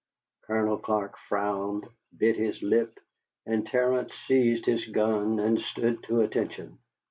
Colonel Clark frowned, bit his lip, and Terence seized his gun and stood to attention.